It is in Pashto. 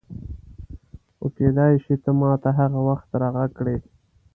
خو کېدای شي ته ما ته هغه وخت راغږ کړې.